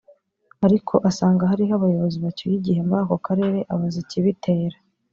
ariko asanga hariho abayobozi bacyuye igihe muri ako karere abaza ikibitera